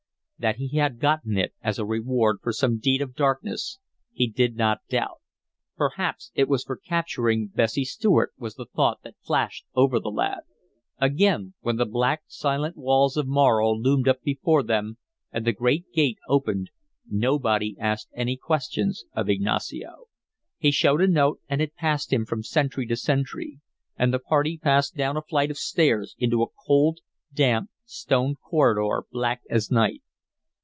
That he had gotten it as a reward for some deed of darkness he did not doubt. Perhaps it was for capturing Bessie Stuart, was the thought that flashed over the lad. Again when the black, silent walls of Morro loomed up before them and the great gate opened nobody asked any questions of Ignacio. He showed a note, and it passed him from sentry to sentry; and the party passed down a flight of stairs into a cold, damp, stone corridor black as night.